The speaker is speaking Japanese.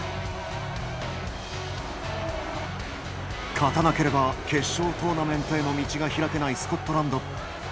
勝たなければ決勝トーナメントへの道が開けないスコットランド。